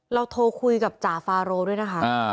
เราโทรคุยกับจ่าฟาโรด้วยนะคะ